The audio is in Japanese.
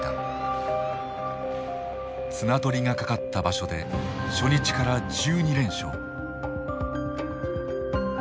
綱取りがかかった場所で初日から１２連勝。